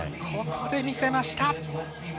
ここで見せました。